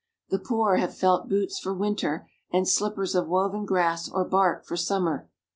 The poor have felt boots for winter, and slippers of woven grass or bark for summer.